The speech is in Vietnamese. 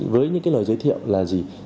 với những lời giới thiệu là gì